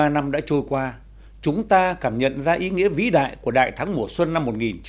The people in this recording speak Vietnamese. bốn mươi năm đã trôi qua chúng ta cảm nhận ra ý nghĩa vĩ đại của đại thắng mùa xuân năm một nghìn chín trăm bảy mươi năm